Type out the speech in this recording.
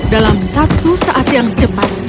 dalam satu saat yang cepat